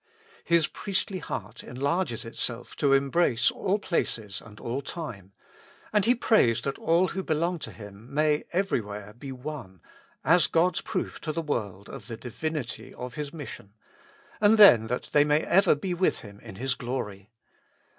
His priestly heart enlarges itself to embrace all places and all time, and He prays that all who belong to Him may every where be one, as God's proof to the world of the divinity of His mission, and then that they may ever be with Him in His glory.